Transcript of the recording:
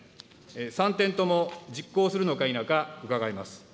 ３点とも実行するのか否か、伺います。